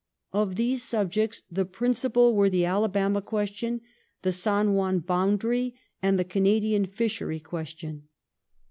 Of these subjects the principal were the Alabama question, the San Juan boundary, and the Canadian Fishery ques tion.